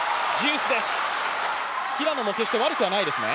平野も決して悪くはないですね。